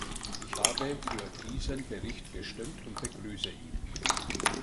Ich habe für diesen Bericht gestimmt und begrüße ihn.